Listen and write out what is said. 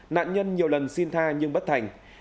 nạn nhân nhiều lần xin tha nhưng bất thành